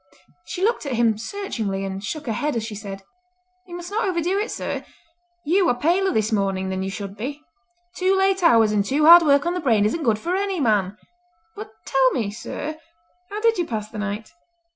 She looked at him searchingly and shook her head as she said: "You must not overdo it, sir. You are paler this morning than you should be. Too late hours and too hard work on the brain isn't good for any man! But tell me, sir, how did you pass the night?